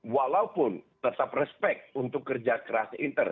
walaupun tetap respect untuk kerja keras inter